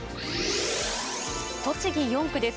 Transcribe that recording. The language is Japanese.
栃木４区です。